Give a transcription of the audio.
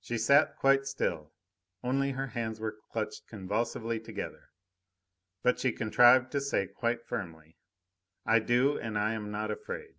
She sat quite still; only her hands were clutched convulsively together. But she contrived to say quite firmly: "I do, and I am not afraid."